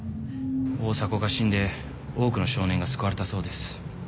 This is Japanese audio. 大迫が死んで多くの少年が救われたそうです。